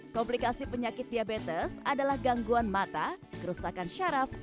komplikasi penyakit diabetes adalah gangguan mata kerusakan syaraf